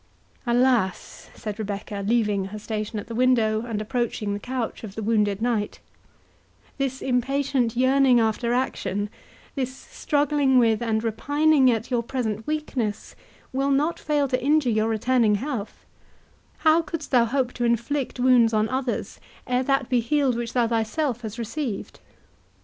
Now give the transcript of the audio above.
"Alas," said Rebecca, leaving her station at the window, and approaching the couch of the wounded knight, "this impatient yearning after action—this struggling with and repining at your present weakness, will not fail to injure your returning health—How couldst thou hope to inflict wounds on others, ere that be healed which thou thyself hast received?"